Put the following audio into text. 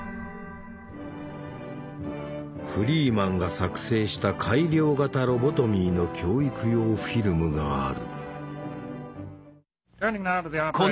フリーマンが作成した改良型ロボトミーの教育用フィルムがある。